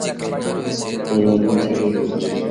তোমার ডিউটি কে করছে?